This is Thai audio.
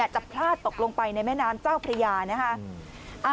จะพลาดตกลงไปในแม่น้ำเจ้าพระยานะคะ